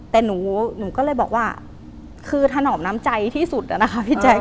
แต่หนูก็เลยบอกว่าคือถนอมน้ำใจที่สุดอะนะคะพี่แจ๊ค